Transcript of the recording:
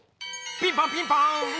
ピンポンピンポン！